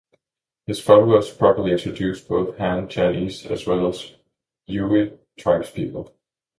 His followers probably included both Han Chinese as well as Yue tribespeople.